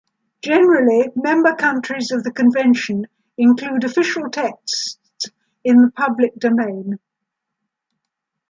Generally, member countries of the Convention include official texts in the public domain.